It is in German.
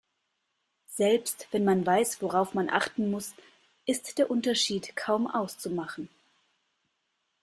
Selbst wenn man weiß, worauf man achten muss, ist der Unterschied kaum auszumachen.